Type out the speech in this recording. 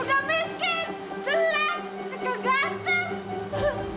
udah miskin jelek keganteng